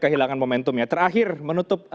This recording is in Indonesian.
kehilangan momentum ya terakhir menutup